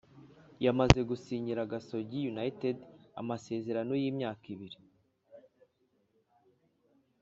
yamaze gusinyira gasogi united amasezerano y’imyaka ibiri.”